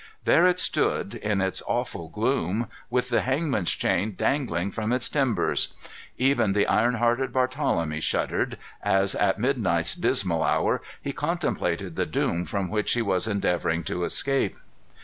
There it stood, in its awful gloom, with the hangman's chain dangling from its timbers. Even the iron hearted Barthelemy shuddered, as at midnight's dismal hour, he contemplated the doom from which he was endeavoring to escape.